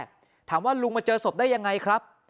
คนแรกถามว่ารู้ไปเจอสมบได้ยังไงครับ